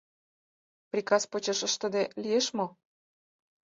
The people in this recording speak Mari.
Приказ почеш ыштыде лиеш мо?